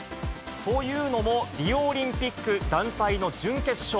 というのも、リオオリンピック団体の準決勝。